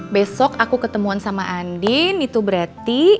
besok aku ketemuan sama andin itu berarti